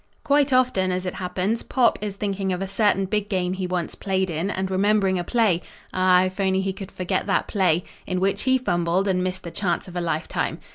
Quite often, as it happens, "Pop" is thinking of a certain big game he once played in and remembering a play Ah! if only he could forget that play! in which he fumbled and missed the chance of a life time.